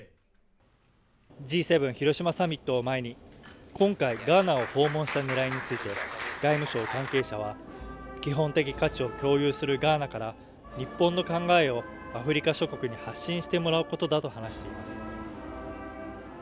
Ｇ７広島サミット前に、今回ガーナを訪問した狙いについて、外務省関係者は基本的価値を共有するガーナから日本の考えをアフリカ諸国に発信してもらうことだと話しています。